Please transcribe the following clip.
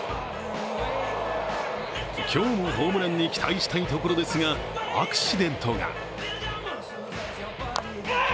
今日もホームランに期待したいところですが、アクシデントが。